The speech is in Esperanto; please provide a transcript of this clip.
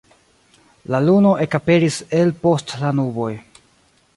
La luno ekaperis el post la nuboj.